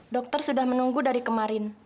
dokter sudah menunggu dari kemarin